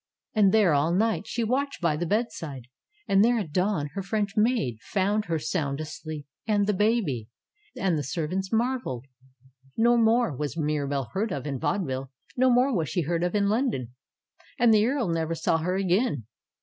And there all night she watched by the bedside. And there at dawn her French maid found her sound asleep, and the baby ! And the servants marveled. No more was Mirabelle heard of in vaudeville. No more was she heard of in London. And the earl never saw her again.